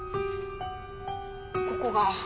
ここが。